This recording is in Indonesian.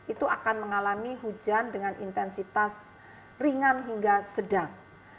itu akan mengalami hujan dengan intensitas ringan hingga sedang